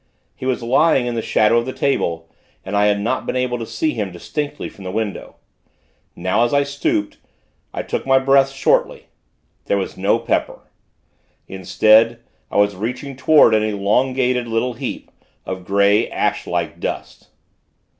He was lying in the shadow of the table, and I had not been able to see him, distinctly, from the window. Now, as I stooped, I took my breath, shortly. There was no Pepper; instead, I was reaching toward an elongated, little heap of grey, ashlike dust....